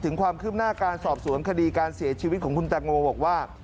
ความคืบหน้าการสอบสวนคดีการเสียชีวิตของคุณแตงโมบอกว่า